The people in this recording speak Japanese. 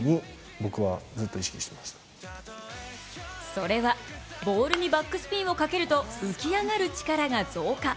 それは、ボールにバックスピンをかけると浮き上がる力が増加。